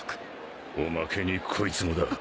おまけにこいつもだ。